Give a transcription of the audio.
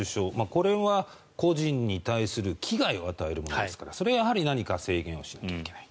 これは個人に対する危害を与えるものですからそれはやはり何か制限をしないといけない。